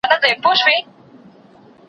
له هيبته يې لړزېږي اندامونه